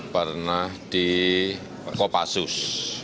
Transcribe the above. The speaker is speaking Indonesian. pernah di kopassus